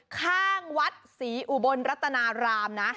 ข้างวัดศรีอุบลรัตนารามนะ